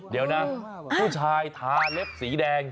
เดี๋ยวนะผู้ชายทาเล็บสีแดง